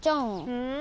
うん？